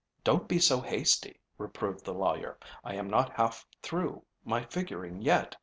"Don't be so hasty," reproved the lawyer. "I am not half through my figuring yet.